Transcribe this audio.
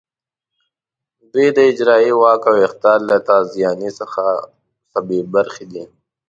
دوی د اجرایې واک او اختیار له تازیاني څخه بې برخې دي.